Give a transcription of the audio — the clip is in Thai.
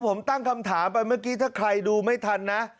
ผมตั้งคำถามไปเมื่อกี้ถ้าใครดูไม่ทันนะ